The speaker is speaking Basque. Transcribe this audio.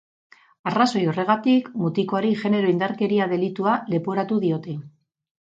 Arrazoi horregatik, mutikoari genero indarkeria delitua leporatu diote.